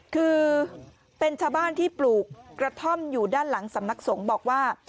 คือเป็นชาวบ้านที่ปลูกกระท่อมอยู่ด้านหลังสำนักสงฆ์บอกว่า